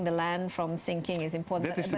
tanah dari penyelamatan adalah penting